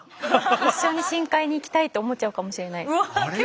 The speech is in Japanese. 一緒に深海に行きたいって思っちゃうかもしれないです。